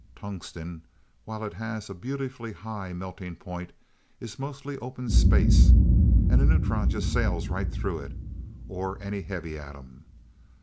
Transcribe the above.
Tungsten, while it has a beautifully high melting point, is mostly open space, and a neutron just sails right through it, or any heavy atom.